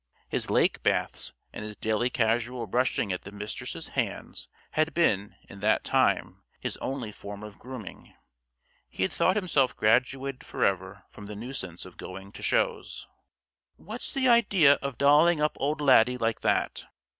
His lake baths and his daily casual brushing at the Mistress' hands had been, in that time, his only form of grooming. He had thought himself graduated forever from the nuisance of going to shows. "What's the idea of dolling up old Laddie like that?"